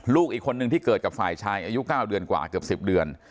ลูกอีกคนนึงที่เกิดกับฝ่ายชายอายุ๙เดือนกว่าเกือบ๑๐เดือน